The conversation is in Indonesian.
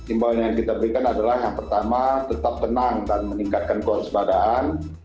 imbawan yang kita berikan adalah yang pertama tetap tenang dan meningkatkan keuangan sepadaan